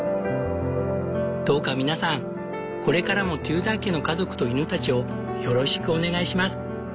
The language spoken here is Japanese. どうか皆さんこれからもテューダー家の家族と犬たちをよろしくお願いします。